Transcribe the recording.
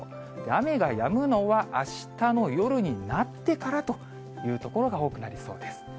雨がやむのはあしたの夜になってからという所が多くなりそうです。